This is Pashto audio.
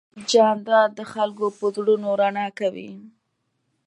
جانداد د خلکو په زړونو رڼا کوي.